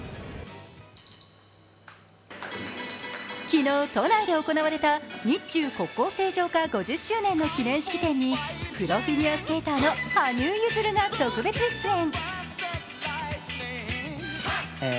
昨日都内で行われた日中国交正常化５０周年の記念式典にプロフィギュアスケーターの羽生結弦が特別出演。